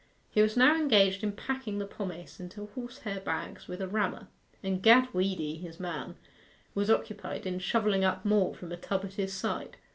He was now engaged in packing the pomace into horsehair bags with a rammer, and Gad Weedy, his man, was occupied in shovelling up more from a tub at his side.